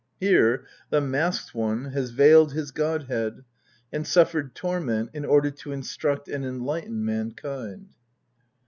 Here the " Masked One " has veiled his god head and suffered torment in order to instruct and enlighten mankind.